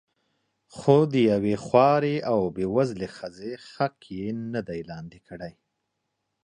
خو د یوې خوارې او بې وزلې ښځې حق یې نه دی لاندې کړی.